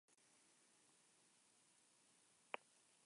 Expedición española a Fort St.